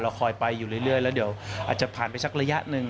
คอยไปอยู่เรื่อยแล้วเดี๋ยวอาจจะผ่านไปสักระยะหนึ่ง